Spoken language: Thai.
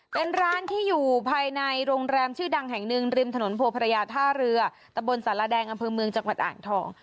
เป็นร้านที่อยู่ภายในโรงแรมชื่อดังแห่งหนึ่งริมถนนโพพระยาท่าเรือตะบนสารแดงอำเภอเมืองจังหวัดอ่างทอง